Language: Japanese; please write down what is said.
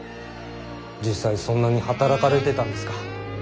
実際そんなに働かれてたんですか？